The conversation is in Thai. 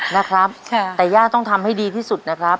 นะครับค่ะแต่ย่าต้องทำให้ดีที่สุดนะครับ